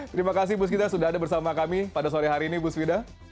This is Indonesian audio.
terima kasih bu skida sudah ada bersama kami pada sore hari ini bu svida